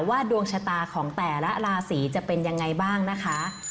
ดวงชะตาของแต่ละราศีจะเป็นยังไงบ้างนะคะ